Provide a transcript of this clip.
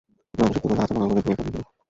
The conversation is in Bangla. প্রথমে আলু সেদ্ধ করে আধ ভাঙা করে ভেঙে নিন।